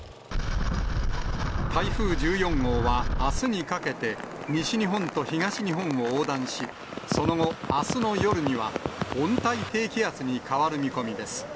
台風１４号はあすにかけて、西日本と東日本を横断し、その後、あすの夜には温帯低気圧に変わる見込みです。